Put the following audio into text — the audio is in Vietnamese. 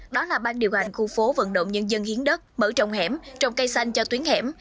đó là ban điều hành khu phố vận động nhân dân hiến đất mở trồng hẻm trồng cây xanh cho tuyến hẻm